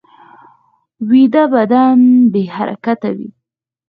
ویده بدن بې حرکته وي